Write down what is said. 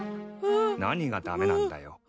何が駄目なんだよ。